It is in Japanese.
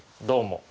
どうも。